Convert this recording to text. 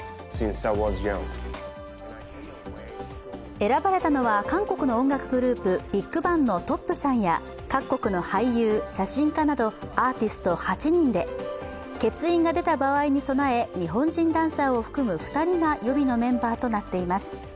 選ばれたのは韓国の音楽グループＢＩＧＢＡＮＧのＴ．Ｏ．Ｐさんや各国の俳優、写真家などアーティスト８人で欠員が出た場合に備え、日本人ダンサーを含む２人が予備のメンバーとなっています。